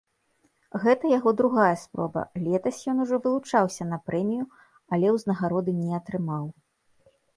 Гэта яго другая спроба, летась ён ужо вылучаўся на прэмію, але ўзнагароды не атрымаў.